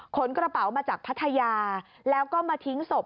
กระเป๋ามาจากพัทยาแล้วก็มาทิ้งศพ